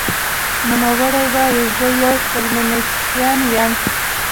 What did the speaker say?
نوموړې وايي، "زه یوه فېمینیسټه یم